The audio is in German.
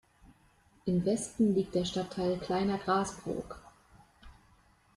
Im Westen liegt der Stadtteil Kleiner Grasbrook.